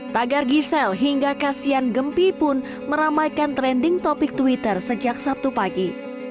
tagar gisel hingga kasian gempi pun meramaikan trending topik twitter sejak sabtu pagi